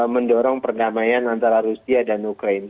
mendorong perdamaian antara rusia dan ukraine